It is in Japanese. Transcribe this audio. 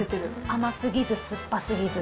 甘すぎず酸っぱすぎず、